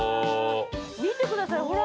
◆見てください、ほら。